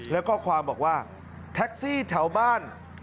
แล้วก็ความบอกว่าแท็กซี่แถวบ้าน